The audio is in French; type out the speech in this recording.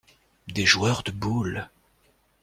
Des joueurs de boules.